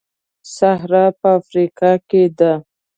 سهارا په افریقا کې ده.